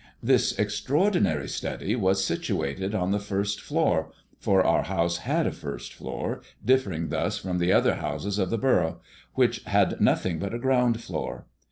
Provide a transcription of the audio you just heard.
This extraordinary study was situated on the first floor, for our house had a first floor, differing thus from the other houses of the borough, which had nothing but a ground floor.